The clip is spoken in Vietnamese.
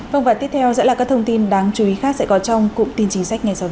vâng và tiếp theo sẽ là các thông tin đáng chú ý khác sẽ có trong cụm tin chính sách ngay sau đây